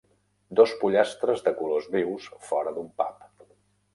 Dos pollastres de colors vius fora d'un pub.